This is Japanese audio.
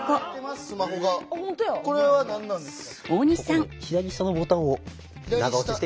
これは何なんですか？